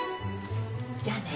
じゃあね。